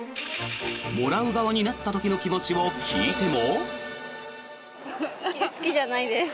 もらう側になった時の気持ちを聞いても。